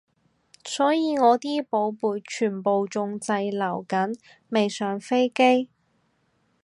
所以我啲寶貝全部仲滯留緊未上飛機